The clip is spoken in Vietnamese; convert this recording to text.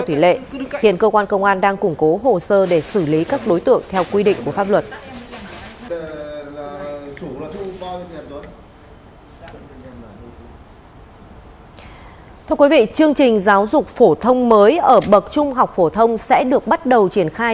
thưa quý vị chương trình giáo dục phổ thông mới ở bậc trung học phổ thông sẽ được bắt đầu triển khai